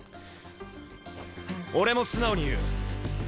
俺も素直に言う。